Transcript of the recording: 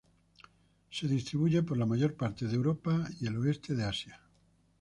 Se distribuye por la mayor parte de Europa y el oeste de Asia.